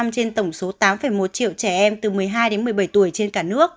bảy mươi trên tổng số tám một triệu trẻ em từ một mươi hai đến một mươi bảy tuổi trên cả nước